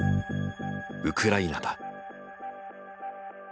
ウクライナだ。